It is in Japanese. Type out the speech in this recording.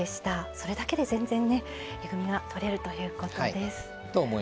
それだけで全然えぐみがとれるということです。